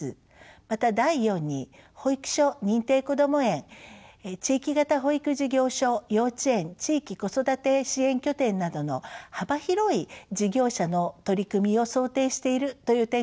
また第４に保育所認定こども園地域型保育事業所幼稚園地域子育て支援拠点などの幅広い事業者の取り組みを想定しているという点が特徴です。